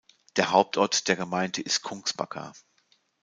Der Hauptort der Gemeinde ist Kungsbacka.